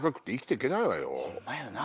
ホンマやな！